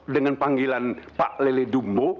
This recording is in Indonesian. dengan panggilan pak lele dumbo